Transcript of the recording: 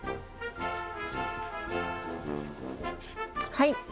はい。